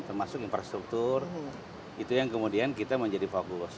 termasuk infrastruktur itu yang kemudian kita menjadi fokus